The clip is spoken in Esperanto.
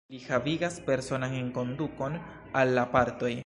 Li havigas personan enkondukon al la partoj.